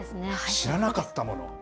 知らなかったもの。